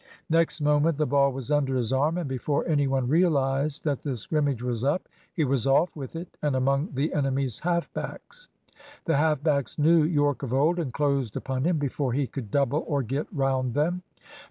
Next moment the ball was under his arm, and before any one realised that the scrimmage was up, he was off with it and among the enemy's half backs. The half backs knew Yorke of old, and closed upon him before he could double or get round them.